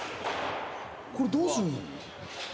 これどうすんの？